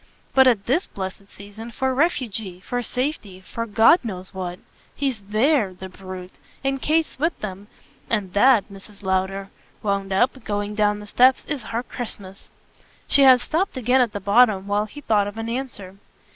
But, at THIS blessed season, for refuge, for safety: for God knows what. He's THERE, the brute. And Kate's with them. And that," Mrs. Lowder wound up, going down the steps, "is her Christmas." She had stopped again at the bottom while he thought of an answer.